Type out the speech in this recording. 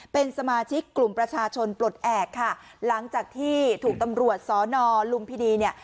เป็นสมาชิกกลุ่มประชาชนปลดแอบค่ะหลังจากที่ถูกตำรวจสอนอลุมพินีเนี่ย